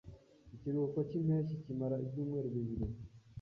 Ikiruhuko cyimpeshyi kimara ibyumweru bibiri.